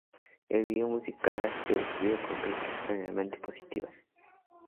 El vídeo musical ha sido recibido con críticas generalmente positivas.